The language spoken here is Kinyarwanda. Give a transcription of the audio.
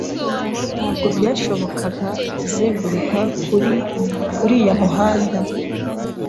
Ntabwo byashobokaga kuzenguruka kuri uriya muhanda.